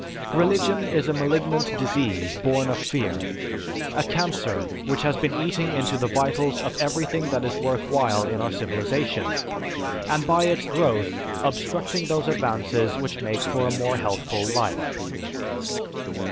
Religion is a malignant disease born of fear, a cancer which has been eating into the vitals of everything that is worth while in our civilization; and by its growth obstructing those advances which make for a more healthful life.